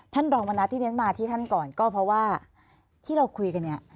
ท่านรองมณัฐที่เรียนมาที่ท่านก่อนก็เพราะว่าที่เราคุยกันเนี่ย